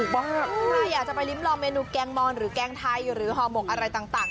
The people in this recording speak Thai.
ใครอยากจะไปริ้มลองเมนูแกงมอนหรือแกงไทยหรือห่อหมกอะไรต่าง